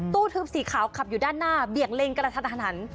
ทึบสีขาวขับอยู่ด้านหน้าเบี่ยงเลนกระทันหัน